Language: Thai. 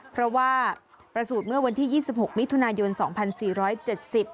เพราะว่าประสูรเมื่อวันที่๒๖มิพิมพิธาณยนต์